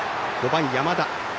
５番、山田。